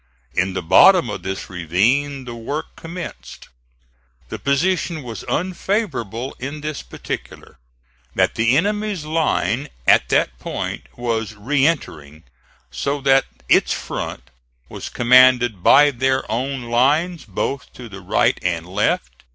In the bottom of this ravine the work commenced. The position was unfavorable in this particular: that the enemy's line at that point was re entering, so that its front was commanded by their own lines both to the right and left.